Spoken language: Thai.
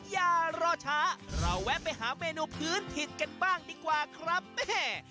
อย่ารอช้าเราแวะไปหาเมนูพื้นถิ่นกันบ้างดีกว่าครับแม่